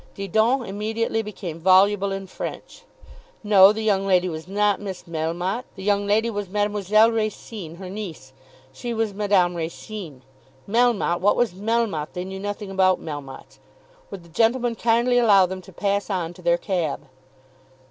Didon immediately became voluble in French. No; the young lady was not Miss Melmotte; the young lady was Mademoiselle Racine, her niece. She was Madame Racine. Melmotte! What was Melmotte? They knew nothing about Melmottes. Would the gentleman kindly allow them to pass on to their cab?